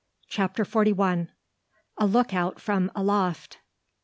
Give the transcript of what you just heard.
CHAPTER FORTY ONE. A LOOKOUT FROM ALOFT.